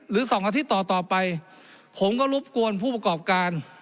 ๒อาทิตย์ต่อต่อไปผมก็รบกวนผู้ประกอบการ